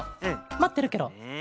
まってるケロ。